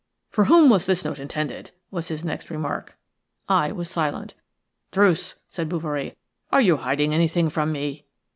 "For whom was this note intended?" was his next remark. I was silent. "Druce," said Bouverie, "are you hiding anything from me?"